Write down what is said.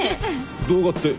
動画って。